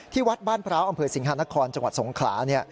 ที่วัดบ้านพระอ๋าอำเภทสิงหานครจังหวัดสงขราซ์